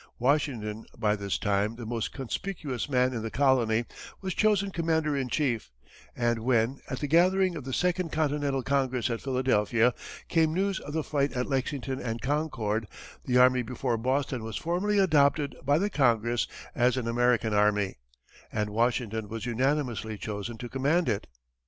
Washington, by this time the most conspicuous man in the colony, was chosen commander in chief; and when, at the gathering of the second Continental Congress at Philadelphia, came news of the fight at Lexington and Concord, the army before Boston was formally adopted by the Congress as an American army, and Washington was unanimously chosen to command it.